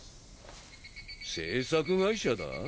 制作会社だぁ？